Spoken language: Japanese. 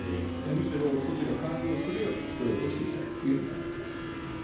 むしろ措置が完了するように、努力をしていきたいというふうに考えております。